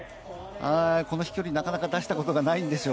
この飛距離をなかなか出したことがないのでしょう。